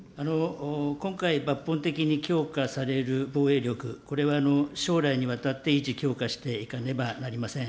今回、抜本的に強化される防衛力、これは将来にわたって維持強化していかねばなりません。